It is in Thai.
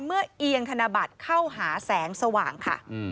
เอียงธนบัตรเข้าหาแสงสว่างค่ะ